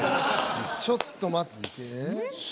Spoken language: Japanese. ちょっと待って。